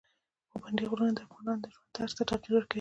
پابندي غرونه د افغانانو د ژوند طرز ته تغیر ورکوي.